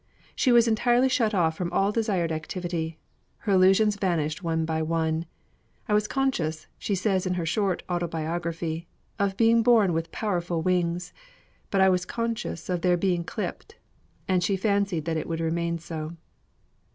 She was entirely shut off from all desired activity; her illusions vanished one by one. "I was conscious," she says in her short autobiography, "of being born with powerful wings, but I was conscious of their being clipped;" and she fancied that they would remain so.